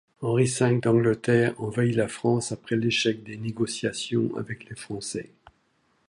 Henri V d'Angleterre envahit la France après l'échec des négociations avec les Français.